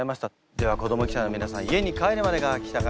では子ども記者の皆さん家に帰るまでが記者会見です。